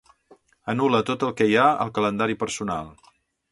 Anul·la tot el que hi ha al calendari personal.